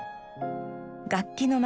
楽器の街